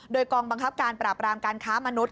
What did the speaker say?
โดยกองบังคับการปราบรามการค้ามนุษย